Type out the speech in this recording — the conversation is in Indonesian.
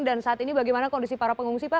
dan saat ini bagaimana kondisi para pengungsi pak